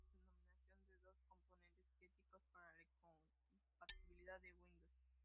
WoW es la denominación de dos componentes críticos para la retrocompatibilidad de Windows.